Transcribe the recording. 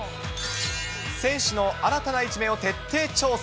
選手の新たな一面を徹底調査。